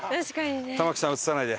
玉木さん、映さないで。